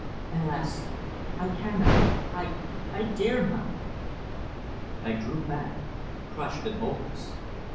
"Alas! I cannot I I dare not!" I drew back crushed and hopeless.